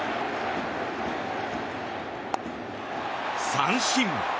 三振。